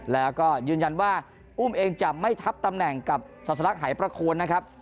แล้วก็ยืนยันว่าอุ้มเองจะไม่ทับตำแหน่งกับศาสลักหายประโคนนะครับ